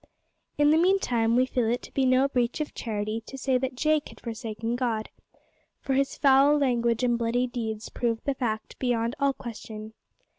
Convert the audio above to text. In the meantime we feel it to be no breach of charity to say that Jake had forsaken God, for his foul language and bloody deeds proved the fact beyond all question.